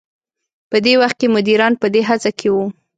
په دې وخت کې مديران په دې هڅه کې وو.